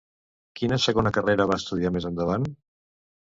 Quina segona carrera va estudiar més endavant?